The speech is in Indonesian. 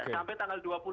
sampai tanggal dua puluh dua